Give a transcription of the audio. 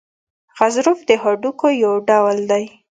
غضروف د هډوکو یو ډول دی.